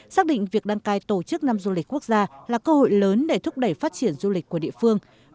xác định việc đăng cai tổ chức năm du lịch quốc gia là cơ hội lớn để thúc đẩy phát triển du lịch của địa phương